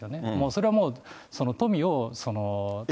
それはもう富を。